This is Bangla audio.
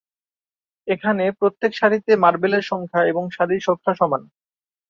এখানে, প্রত্যেক সারিতে মার্বেলের সংখ্যা এবং সারির সংখ্যা সমান।